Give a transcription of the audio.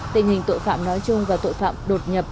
tình hình tội phạm nói chung và tội phạm đột nhập